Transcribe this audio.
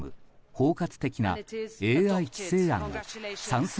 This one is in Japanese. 包括的なＡＩ規制案を賛成